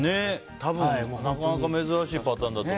多分、なかなか珍しいパターンだと。